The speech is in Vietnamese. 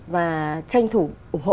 và tranh thủ ủng hộ